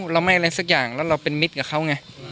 เราไม่อะไรสักอย่างแล้วเราเป็นมิตรกับเขาไง